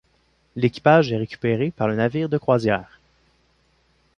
L’équipage est récupéré par le navire de croisière.